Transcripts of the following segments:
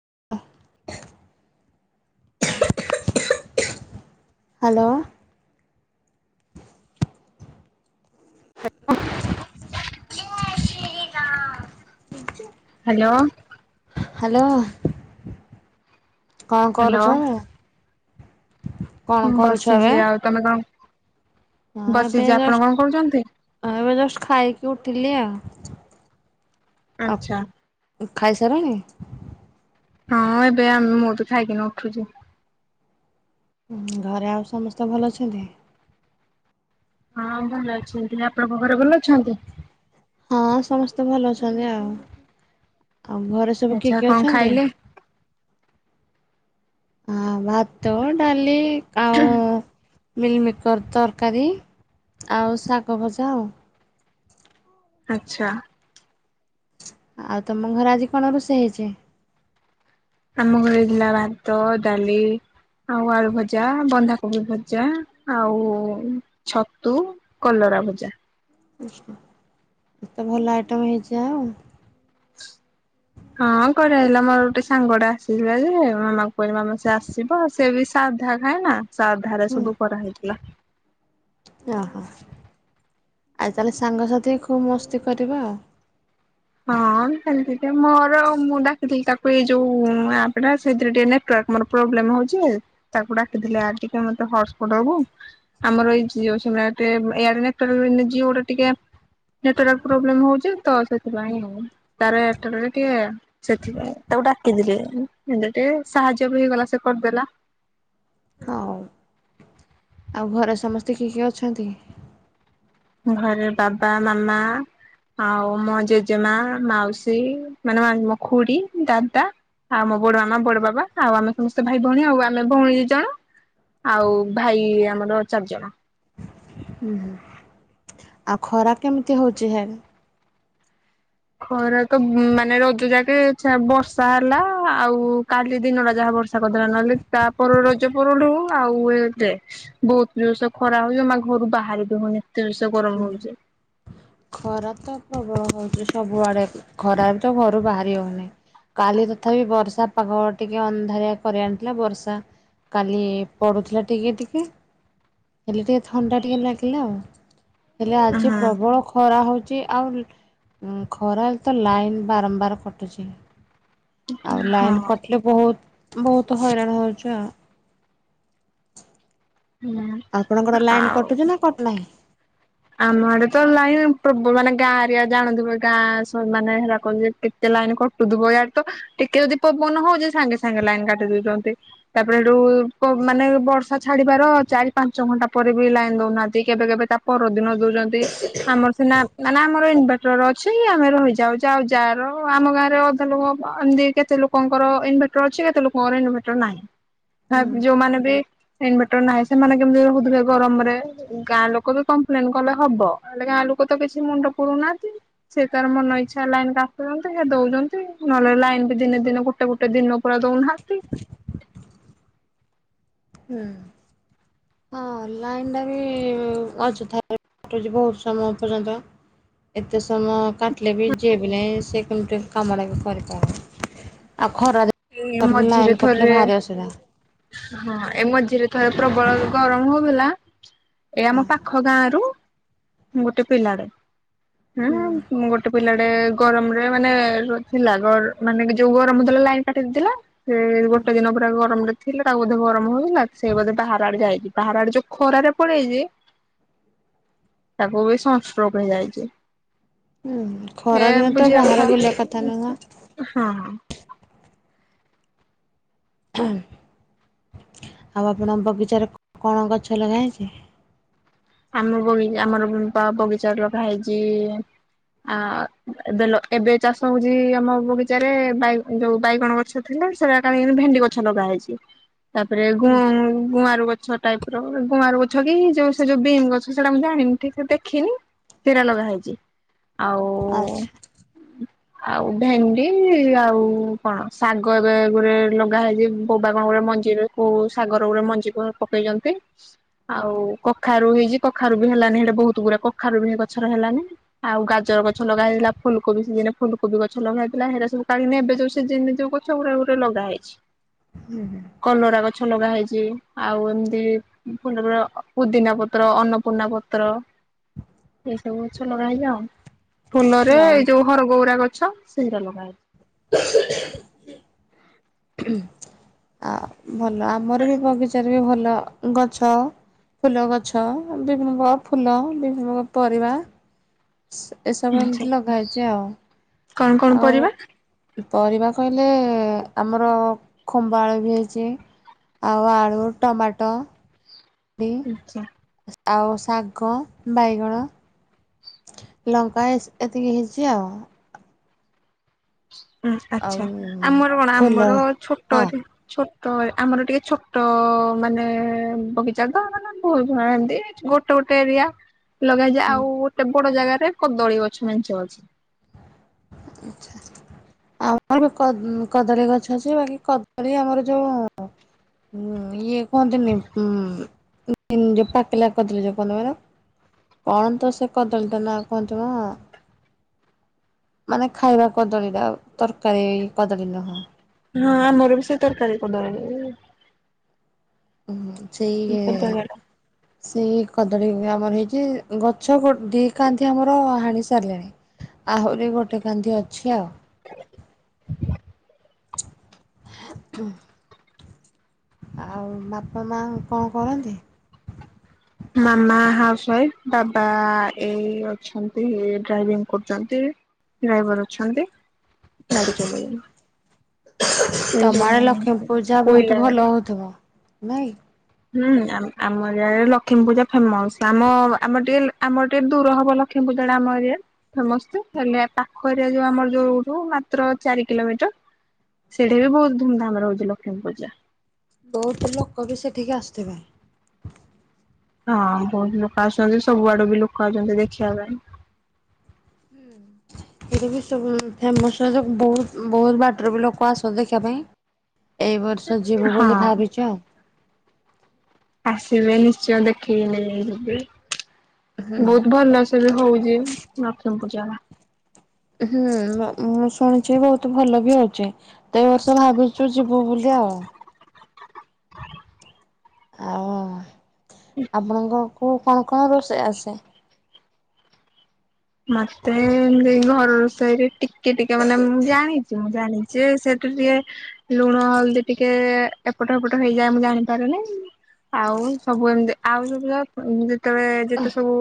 [inaudible] Hello. [unintelligible] Shriram. Hello. Hello କଣ hello କରୁଚ? ବସିଛି ଆଉ ତମେ କଣ ହଁ ଏବେ ବସିଛି ଆପଣ କଣ କରୁଛନ୍ତି? ଯଷ୍ଟ ଏବେ ଯଷ୍ଟ ଖାଇକି ଉଠିଲି ଆଉ ଆଛା। ଖାଇସାରିଣି? ହଁ ଏବେ ଆମେ ମୁଁ ତ ଖାଇକି ଉଠୁଚି। ଘରେ ଆଉ ସମସ୍ତେ ଭଲ ଅଛନ୍ତି? ହଁ ଭଲ ଅଛନ୍ତି। ଆପଣଙ୍କ ଘରେ ଭଲ ଅଛନ୍ତି? ହଁ ସମସ୍ତେ ଭଲ ଅଛନ୍ତି ଆଉ ଆଉ ଘରେ ସବୁ କିଏ ଆଚ୍ଛା କିଏ କଣ ଅଛନ୍ତି? ଖାଇଲେ? ଆ ଭାତ ଡ଼ାଲି ଆଉ ମିଲମିକର୍ ତରକାରୀ ଆଉ ଶାଗ ଭଜା ଆଉ। ଆଛା। ଆଉ ତମ ଘରେ ଆଜି କଣ ରୋଷେଇ ହେଇଛି। ଆମ ଘରେ ହେଇଥିଲା ଭାତ ଡାଲି ଆଉ ଆଳୁ ଭଜା, ବନ୍ଧାକୋବି ଭଜା, ଆଉ ଛତୁ, କଲରା। ରା ଭଜା। ଆଛା ଏତେ ଭଲ ଆଇଟମ୍ ହେଇଚି ଆଉ। ହଁ କରା ହେଲା ମୋର ଗୋଟେ ସାଙ୍ଗଟେ ଆସିଥିଲା ଯେ ମାମା କହିଲି ସେ ଆସିବ ସେ ବି ସାଧା ଖାଏ ନା ସାଧା ରେ ସବୁ କରାହେଇଥିଲା। ଓ ହୋ। ଆ ତାହେଲେ ସାଙ୍ଗସାଥି ଖୁବ୍ ମସ୍ତି କରିବ ଆଉ। ହଁ ସେମତି ଟ ମୋର ମୁଁ ଡାିଥିଲି ତାକୁ ଏଇ ଯୋଉପା ସେଥିରେ ଟିକେ। ତାଙ୍କର ପ୍ରୋବ୍ଲେମ ହଉଚି ଜେ ତାକୁ ଡାକିଥିଲେ ଆଜି କଣ ତ ହଟ୍ସ ଦବୁ ଆମର ଏଇ ଜିଓ ଇଆଡ଼େ ନେଟୱର୍କ ଜିଓ ଟା ଟିକେ ନେଟୱର୍କ ପ୍ରୋବ୍ଲେମ ହଉଛି ତ ସେ ଥ ସେଥିପାଇଁ ଆଉ ତାର ଏଆରଟେଲ ଟିକେ ସେଥିପାଇଁ ତାକୁ ଡାକିଥିଲେ। ସାହାଯ୍ୟ ବି ହେଇଗଲା ସେ କରିଦେଲା। [unintelligible] ହଉ ଆଉ ଘରେ ସମସ୍ତେ କିଏ କିଏ ଅଛନ୍ତି। ଘରେ ବାବା ମାମା। ଆଉ ମୋ ଜେଜେମା ମାଉସୀ ମାନେ ମୋ ଖୁଡି ଦାଦା। ଆଉ ମୋ ବଡ ମାମା ବଡ ବାବା ଆଉ ଆମେ ସମସ୍ତେ ଭାଇ ଭଉଣୀ ଆଉ ଆମେ ଭଉଣୀ ଦି ଜଣ। ଆଉ ଭାଇ ଆମର ଚାରିଜଣ। ହୁଁ ହୁଁ ଆଉ ଖରା କେମିତି ହଉଛି ହିଆଡେ। ଖରା ତ ମାନେ ରଜ ଯାକେ ବର୍ଷା ହେଲା ଆଉ କାଲି ଦିନଟ ଯାହା। ବର୍ଷା କରିଦେଲା ନହେଲେ ତାପର ରଜ ପରଠୁ ଆଉଏବେ ବହୁତ ଜୋରସେ ଖରା ହଉଚି ଜେ ମ ଆଉ ଘରୁ ବାହାରି ବି ହଉନି। ଜୋରସେ ଗରମ ହଉଛି ହହୁଁ ଖରା ତ ପ୍ରବଳ। ହଉଛି ସବୁଆଡେ ଖରାରେ ତ ଘରୁ ବାହାରି ହଉନି। କାଲି ତଥାପି ବର୍ଷା ପାଗ ଟିକେ ଅନ୍ଧାରଆ କରି ଆଣିଥିଲା ବର୍ଷା। କାଲି ପଢୁଥିଲା ଟିକେ ଟିକେ। ହେଲେ ଟିକେ ଥଣ୍ଡା ଟିକେ ଲାଗିଲା ଆଉ ହେଲେ ଆଜି ହଁ ପ୍ରବଳ ଖରା ହଉଛି। ଖରା ତ ଲାଇନ ବାରମ୍ବାର କଟୁଚି। ଆଉ ଲାଇନ କଟିଲ ବହୁତ। ବହୁତ ହଇରାଣ ହଉଚୁ ଆଉ। ହଁ ଆପଣଙ୍କର ଲାଇନ ଆଉ କଟୁଛି ନା କଟୁ ନାହିଁ। ଆମ ଆଡେ ତ ଲାଇନ ପ୍ରବ ମାନେ ଗାଁଏରିଆ ଜାଣୁଥିବେ ଗାଁ ମାନେ ହେରା କ ଣ ଜେ ପ୍ରିଟେ। ଲାଇନ କଟୁ ଥିବ ଇଆଡ଼େତ ଟିକେ ଯଦି ପବନ ହଉଛି ସାଙ୍ଗେ ସାଙ୍ଗେ ଲାଇନ କାଟି ଦଉଛନ୍ତି ତାପରେ ହେଠୁ ମାନେ ବର୍ଷା ଛାଡିବାର ଚାରି ପାଞ୍ଚ ଘଣ୍ଟା ପରେ ବି ଲାଇନ ଦଉନାହାନ୍ତି କେବେ କେବେ ତା ପର ଦିନ ଦଉଛନ୍ତି ଆମର ସିନା ମାନେ ଆମର ଇନଭଟର ଅଛି ଆମେ ରହିଯାଉଚୁ ଆଉ ଯାର ଆମ ଗାଁରେ ଅଅଧେ ଲୋକ ଏମତି କେତେ ଲୋକଙ୍କର ଇନଭଟର ଅଛି କେତେ ଲୋକଙ୍କର ଇନଭଟର ନାହିଁ। ହ ହୁଁ ଯୋଉମାନେ ବି ଇନଭଟର ନାହିଁ ସେମାନେ କେମିତି ରହୁଥିବେ ଗରମରେ ଗାଁ ଲୋକ ବି କପ୍ଲେନ କଲେ ହବ ହେଲେ ଆ ଲୋକ ତ କିଛି ମୁଣ୍ଡ ପୁରଉ ନାହାନ୍ତି ସେ ତାର ମନ ଇଛା ଲାଇନ କାଟୁ ସେ ଦଉଛନ୍ତି ନହେଲେ ଲାଇନ ବି ଦିନେ ଦିନେ ଗୋଟେ ଗୋଟେ ଦିନ ପୁରା ଦଉନାହାନ୍ତି। [unintelligible] ହୁଁ। ହଁ ଲାଇନ ଟା ବି ଅଯଥାାରେ କଟୁଛି ବହୁତ ସମୟ ପର୍ଯ୍ୟନ୍ତ। ଏତେ ସମୟ କାଟିଲେ ବି ଯିଏବି ନାଇଁ ସିଏ କେମିତି କାମଟା ବି କରିପାରିବ। ଆଉ ଏ ଖରାଦିନେ ମଝିରେ ଲାଇନ୍ ଥରେ କଟିଲେ ଭାରି ଅସୁବିଧା। ହଁ ଏ ମଝିରେ ଥର ପ୍ରବଳ ଗରମ ହଉ ଥିଲା ଏଇ ହଁ। ଆମ ପାଖ ଗାଁ ରୁ ଗୋଟେ ପିଲାର ହୁଁ ଗୋଟେ ପିଲା ଏ ଗରମରେ ମାନେ ଥିଲା ଗ ମାନେ ଯୋଉ ଗରମଥିଲା ଲାଇନ କାଟି ଦେଇଥିଲା। ସେ ଗୋଟେ ଦିନ ପୁରା ଗରମରେ। ଥିଲା ତାକୁ ବୋଧେ ଗରମ ହଉଥିଲା ସେଇ ବୋଧେ ବାହାର ଆଡେ ଯାଇଛି ବାହାର ଆଡେ ଯୋଉ ଖରାରେ ପଳେଇଚି ତାକୁ ବି ସଂଷ୍ଟ୍ରୋକ ହେଇଯାଇଚି। ହୁଁ ଏ ଖରା ଦିନ ତ ବାହାରେ ବୁଝିିବାକଥା ବୁଲିବା କଥା ନୁହଁ। ହଁ। ଅଁ ହଁ। ଆଉ ଆପଣଙ୍କ ବଗିଚାରେ କଣ ଗଛ ଲଗା ହେଇଚି। ଆମ ବଗିଚା ଆମରପା ବଗିଚାରେ ଲଗା ହେଇଚି ଇ ଇ ଆ ଏବେ ଏବେ ଚାଷ ହଉଚି ଆମ ବଗିଚାରେ ବା ଯୋଉ ବାଇଗଣ ଗଛ ଥିଲା ସେରା କାଢିକିନି ଭେଣ୍ଡି ଗଛ ଲଗା ହେଇଚି। ତାପରେ ଗୁଁ ଗୁଆଁରୁ ଗଛ ଟାଇପ ର ଗୁଆଁରୁ ଗଛ କି ଯୋଉ ସେ ଯୋଉ ବିମ୍ ଗଛ ଛଡା ମୁଁ ଜାଣିନି ଠିକ ସେ ଦେଖିନି ତେରା ଲଗା ହେଇଛି ଆଉ ଆଚ୍ଛା। ଆଉ ଭେଣ୍ଡି ଆଉ କଣ ଶାଗ ଏବେ ଗୋଟରେ ଲଗା ହେଇଛି ବୋବା କଣ ଗୋଟେ ମ ଯିବେ କୋଉ ଶାଗ ର ଗୋରେ ମଞ୍ଜି ପକେଇଛନ୍ତି ଆଉ ପ କଖାରୁ ହେଇଛି କଖାରୁ ବି ହେଲାନି ହେଟା ବହୁତ ଗୁଡା କଖାରୁ ବି ଗଛର ହେଲାନି ଆଉ ଗାଜର ଗଛ ଲଗା ହେଇଥିଲା। ଫୁଲକୋବି ସିଜିନ ରେ ଫୁଲକୋଵି ଗଛ ଲଗାହେଇଥିଲା ହେରା ସବୁ କାଢ଼ିକି ଏବେ ଯୋଉ ସିଜିନ ଗଛ ଗୁରେ ଲଗାହେଇଛି। ହୁଁ ହୁଁ। ଗଛ ଲଗା ହେଇଛି ଆଉ ଏମିତି ଫୁଲ ପୁଦିନା ପତ୍ର ଅନ୍ନପୂର୍ଣ୍ଣା ପତ୍ର [inaudible] ଏସବୁ ଗଛ ଲଗା ହେଇଛି ଆଉ ପୁ ଫୁଲରେ ଆଉ ଏଇ ଯୋଉ ହର ଗୌରା ଗଛ ସେଇରା ଲଗାହେଇଛି। [inaudible] ଆ ଭଲ ଆମର ବି ବଗିଚାରେ ବି ଭଲ ଗଛ। ଫୁଲ ଗଛ ବିଭିନ୍ନ ପ୍ରକାର ଫୁଲ ବିଭିନ୍ନ ପ୍ରକାର ପରିବା ଏସ ସବୁ ଆଛା ଏମିତି ଲଗାହେଇଛି ଆଉ। କଣ କଣ ଆଉ ପରିବା? ପରିବା କହିଲେ ଆମର ଖମ୍ବା ଆଳୁ ବି ହେଇଛି। ଆଉ ଆଳୁ ଟମାଟୋ। ବି ଆଚ୍ଛା। ଆଉ ଶାଗ ବାଇଗଣ। ଲଙ୍କା ଏତିିକି ହେଇଛି ଆଉ ହୁଁ ଆଉ ଆଛା ଆମର କଣ ଫୁଲ ଆମର ହଁ ଛୋଟରେ ଛୋ ତ ଆମର ଟିକେ ଛୋଟ ମାନେ ବଗିଚା ମାନେ ବହୁତ ଏମତି ଗୋଟେ ଗୋ ଟେରିଆ ଲଗେଇଯାଏ ଆଉ ଗୋଟେ ବଡ ଜାଗାରେ କଦଳୀ ଗଛ ମେଞ୍ଚେ ଅଛି। ଆଚ୍ଛା। ଆମର କଦଳୀ ଗଛ ଅଛି ବାକି କଦଳୀ ଆମର ଯୋଉ ହୁଁ ଇଏ କୁହନ୍ତିନି ଉଁ ଯୋଉ ପାକାଲା ଯୋଉ କଣ ତ ଏରା କଣ ତ ସେ କଦଳୀ ଟା ନାଁ କଣ ତ? [inaudible] ମାନେ ଖାଇବା କଦଳୀ ଟା ତରକାରୀ କଦଳୀ ନୁହଁ। ହଁ ଆମର ବି ସେ ତରକାରୀ କଦଳୀ ହାଁ ହୁଁ ସେଇ କଦଳୀ [inaudible] ସେଇ କଦଳୀ ଆମର ହେଇଛି ଗଛ ଦେଇ କାଧ ଆମର ହାଣି ସାରିଲେଣି। ଆହୁରି ଗୋଟେ କାନ୍ଧି ଅଛି ଆଉ। [inaudible] ଆଉ ବାପା ମା କଣ କରନ୍ତି? ମାମା ହାଉସୱାଇଫ ବାବା ଏଇ ଅଛନ୍ତି ଡ୍ରାଇଭିଂ କରୁଛନ୍ତି। ଡ୍ରାଇଭର ଅଛନ୍ତି। ଗାଡି ଚଲେଇଲେ ତମର ଲକ୍ଷ୍ମୀ ପୂଜା କୋଇଲା ବହୁତ ଗାଡି। ଭଲ ହଉଥିବ ନାଇଁକି। ହୁଁ ଆମଆ ଲକ୍ଷ୍ମୀ ପୂଜା ଫେମସ ଆମ ଆମ ଟିକେ ଆମର ଟିକେ ଦୂର ହବ ଲକ୍ଷ୍ମୀ ଯେତେବେଳେ ଆମ ଏ ଫେମସ ହେଲେ ପାଖଏରିଆ ଯୋଉ ଆମର ଯୋଉୁ ମାତ୍ର ଚାରି କିଲୋମିଟର। ସେଠି ବି ବହୁତ ଧୁମଧାମ ରେ ହଉଛି ଲକ୍ଷ୍ମୀ ପୂଜା। ବହୁତ ଲୋକ ବି ସେଠିକି ଆସିଥିବେ। [inaudible] ହଁ ବହୁତ ଲୋକ ଆସୁଛନ୍ତି ସବୁ ଆଡୁ ବି ଲୋକ ଆସୁଛନ୍ତି ଦେଖିବା ପାଇଁ। ହୁଁ। ଏଇଠି ବିଶ୍ୱ ଫେମସ ବହୁତ ବହୁତ ବାଟରେ ବି ଲୋକ ଆସନ୍ତି ଦେଖିବା ପାଇଁ। ଏଇ ବର୍ଷ ଯିବୁ ବୋଲି ହଁ। ଭାବିଚୁ ଆଉ। ଆସିବେ ନିଶ୍ଚୟ ଦେଖିକି ଯିବେ। [inaudible] ବହୁତ ଭଲସେ ବି ହଉଛି ଲକ୍ଷ୍ମୀ ପୂଜା। ହୁଁ ମୁଁ ଶୁଣିଛି ବହୁତ ଭଲ ବି ହଉଛି ତ ଏ ବର୍ଷ ଭାବିଛୁ ଯିବୁ ବୋଲି [unintelligible] ଆଉ ଆପଣଙ୍କ କୁ କଣ କଣ ରୋଷେଇ ଆସେ? ମତେ ଏଇ ଘର ରୋଷେଇରେ ଟିକେ ଟିକେ ମାନେ ମୁଁ ଜାଣିଛି ମୁଁ ଜାଣି ଯେ ସେଠୁ ଟିକେ ଲୁଣ ହଳଦୀ ଟିକେ ଏପଟ ହେପଟ ହେଇଯାଏ ମୁଁ ଜାଣିପାରୁନି। ଆଉ ସବୁ ଏମିତି ଆଉ [unintelligible] ତେବେ ଯେତେ ସବୁ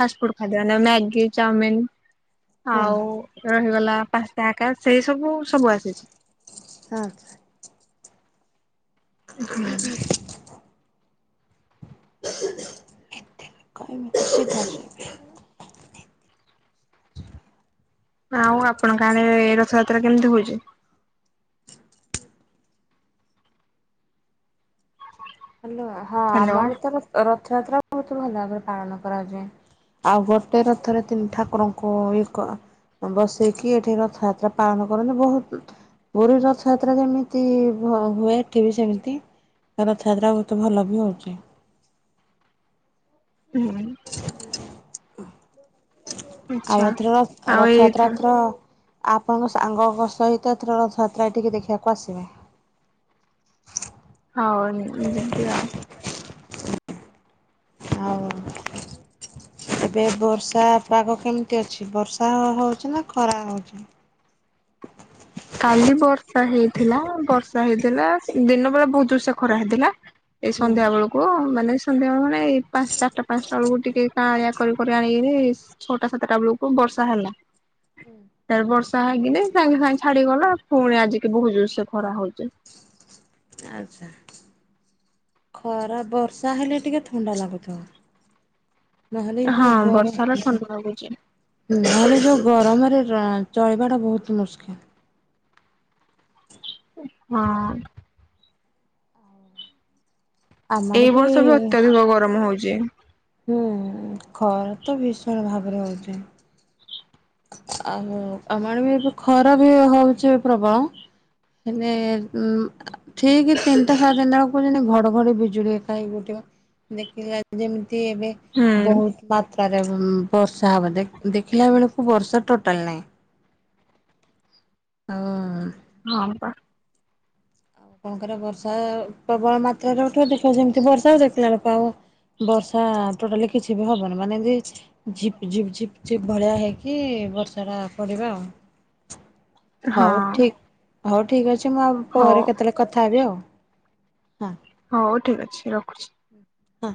ଫାଷ୍ଟ ଫୁଡ ଖାଇଦେବା ଯୋଉ ମ୍ୟାଗି ଚାଉମିିନ ହଁ ଆଉ ରହିଗଲା ପାଞ୍ଚଟା ଆକାଶ ସେଇ ସବୁ ସବୁ ଆସିଚି। ହଁ। ଆା [inaudible] କହିବିଧ ଆଉ ଆପଣ ଗାଁରେ ରଥଯାତ୍ରା କେମିତି ହଉଚି? ହାଲୋ ହଁ ହ୍ୟାଲୋ ଆମର ତ ରଥଯାତ୍ରା ବହୁତ ଭଲ ଭାବରେ ପାଳନ କରାଯାଏ। ଆଉ ଗୋଟେ ରଥରେ ତିନି ଠାକୁରଙ୍କୁ ଇଏ କଣ ବସେଇକି ଏଠି ରଥଯାତ୍ରା ପାଳନ କରନ୍ତି, ବହୁତ ପୁରୀ ରଥଯାତ୍ରା ଯେମିତି ହବ ହୁଏ ଏଠି ବି ସେମିତି। କାର ରଥାଯାତ୍ରା ବହୁତ ଭଲ ବି ହଉଛି। ହୁଁ। ଆଉ ଆଚ୍ଛା ଏଥରକ ଆଉ ର-ରଥଯାତ୍ରା ଏଇଥର ଏଥରକ ଆପଣଙ୍କ ସାଙ୍ଗଙ୍କ ସହିତ ଏଥର ରଥଯାତ୍ରା ଏଠିକି ଦେଖିବାକୁ ଆସିବେ। ହଉନି ଯିବି ଆଉ। ହଉ। ଏବେ ବର୍ଷା ପାଗ କେମିତି ଅଛି? ବର୍ଷା ହଉଛି ନା ଖରା ହଉଛି? ହ [inaudible] କାଲି ବର୍ଷା ହେଇଥିଲା ବର୍ଷା ହେଇଥିଲା ଦିନ ବେଳେ ବହୁତ ଜୋର୍ ସେ ଖରା ହେଇଥିଲା। ଏଇ ହୁଁ। ସନ୍ଧ୍ୟା ବେଳକୁ ମାନେ ସନ୍ଧ୍ୟାବେଳେ ମାନେ ଏଇ ପାଞ୍ଚ ଚାରଟା ପାଞ୍ଚଟା ବେଳକୁ ଟିକେ କାହାଳିଆ କରି କରି ଆଣିକିରି ଛଅଟା ସାତଟା ବେଳକୁ ବର୍ଷା ହେଲା। ତାପରେ ବର୍ଷା ହେଇକିନି ସାଙ୍ଗେ ସାଙ୍ଗେ ଛାଡିଗଲା ପୁଣି ଆଜିକି ବହୁତ ଜୋର୍ ସେ ଖରା ହଉଛି। ଆଚ୍ଛା। ଖରା ବର୍ଷା ହେଲେ ଟିକେ ଥଣ୍ଡା ଲାଗୁଥବ। ନହେଲେ ଏଇ ହଁ ଯୋଉ ଗରମ, ବର୍ଷା ହେଲା ଥଣ୍ଡା ଲାଗୁଛି ନହେଲେ ଯୋଉ ଗରମରେ ଅଁ ଚଳିବାଟା ବହୁତ ମୁସ୍କିଲ। [inaudible] ହଁ। ଆମ ଆଡେ ଏଇ ବର୍ଷ ବି ଅତ୍ୟଧିକ ଗରମ ହଉଚି। ହୁଁ, ଖରା ତ ଭୀଷଣ ଭାବରେ ହଉଛି। ଆଉ ଆମ ଆଡେ ବି ଏବେ ଖରା ବି ହଉଛି ପ୍ରବଳ ହେଲେ ଉମ୍ ଠିକ୍ ତିନିଟା ସାଢେ ତିନିଟା ବେଳକୁ ଯେମିତି ଘଡଘଡି ବିଜୁଳି ହେକା ହେଇ ଘୋଟିବ। ଦେଖିଲି ଆଜି ଯେମିତି ମିତି ଏବେ ହୁଁ ବହୁତ ମାତ୍ରାରେ ଉଁ ବର୍ଷା ହବ ଦେଖି ଦେଖିଲା ବେଳକୁ ବର୍ଷା ଟୋଟାଲ ନାହିଁ। ଅ ହ। ହଁ ପା। ଆଉ ଆପଣଙ୍କର ବର୍ଷା ପ୍ରବଳ ମାତ୍ରାରେ ଉଠେଇବ, ଦେଖିବ ଯେମିତି ବର୍ଷା ହବ ଦେଖିଲା ବେଳକୁ ଆଉ ବର୍ଷା ଟୋଟାଲି କିଛି ବି ହବନି, ମାନେ ଯେମିତି ଝିିପିଝିପି ଝିପିଝିପି ଭଳିଆ ହେଇକି ବର୍ଷାଟା ପଡିବା ଆଉ। ହଁ ହଉ ଠିକ ହଉ ଠିକ ଅଛି। ମୁଁ ଆଉ ହଉ ପରେ କେତେବେଳେ କଥା ହେବି ଆଉ ହଁ। ହଉ ଠିକ ଅଛି ରଖୁଛି। ହଁ।